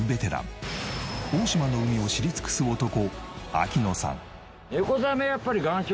大島の海を知り尽くす男